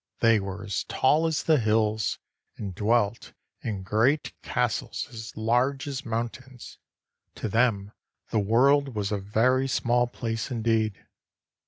They were as tall as the hills, and dwelt in great castles as large as mountains. To them the world was a very small place indeed.